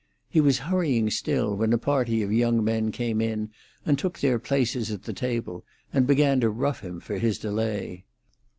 He was hurrying still when a party of young men came in and took their places at the table, and began to rough him for his delay.